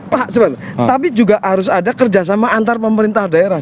pak tapi juga harus ada kerjasama antar pemerintah daerah